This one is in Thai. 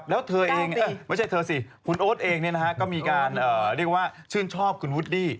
แล้วเธอเองไม่ใช่เธอสิคุณโอ๊ตเองก็มีการเรียกว่าชื่นชอบคุณวูดดี้